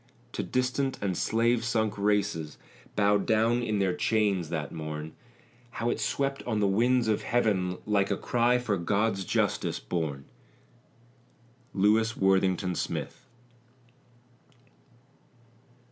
To distant and slave sunk races, Bowed down in their chains that morn, How it swept on the winds of heaven, Like a cry for God's justice born! LEWIS WORTHINGTON SMITH.